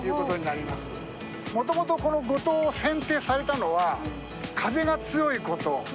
もともとこの五島を選定されたのは風が強いこと。